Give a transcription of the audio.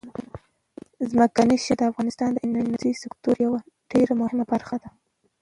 ځمکنی شکل د افغانستان د انرژۍ سکتور یوه ډېره مهمه برخه ده.